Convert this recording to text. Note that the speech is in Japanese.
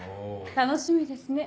楽しみですね。